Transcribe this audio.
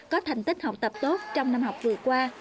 có thành tích học tập tốt trong năm học vừa qua